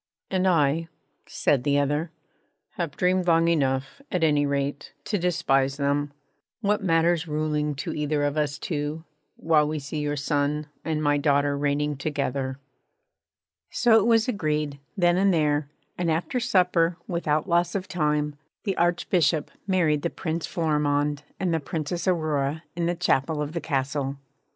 'And I,' said the other, 'have dreamed long enough, at any rate, to despise them. What matters ruling to either of us two, while we see your son and my daughter reigning together?' So it was agreed, then and there; and after supper, without loss of time, the Archbishop married the Prince Florimond and the Princess Aurora in the chapel of the Castle.